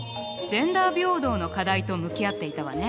５ジェンダー平等の課題と向き合っていたわね。